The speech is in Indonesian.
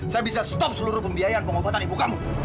saya bisa stop seluruh pembiayaan pengobatan ibu kamu